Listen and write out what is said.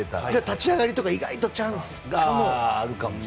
立ち上がりとか意外とチャンスがあるかもと。